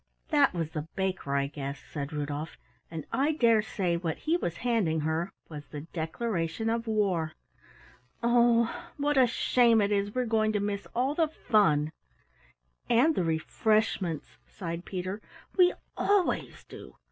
"That was the Baker, I guess," said Rudolf, "and I dare say what he was handing her was the declaration of war! Oh, what a shame it is we are going to miss all the fun!" "And the refreshments," sighed Peter. "We always do!